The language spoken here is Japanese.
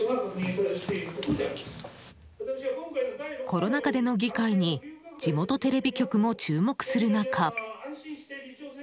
コロナ禍での議会に地元テレビ局も注目する中。